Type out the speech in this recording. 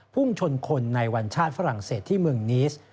พุ่งชนคนในวันชาติฝรั่งเศสที่เมืองนิส